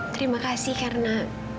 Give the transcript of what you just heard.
terima kasih karena